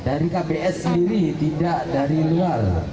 dari kbs sendiri tidak dari luar